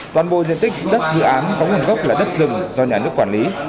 toàn bộ diện tích đất dự án có nguồn gốc là đất rừng do nhà nước quản lý